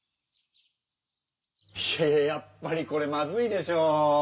いやいややっぱりこれまずいでしょ。